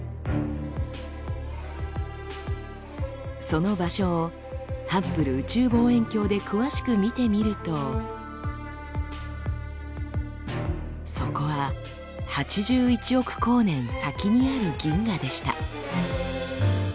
その場所をハッブル宇宙望遠鏡で詳しく見てみるとそこは８１億光年先にある銀河でした。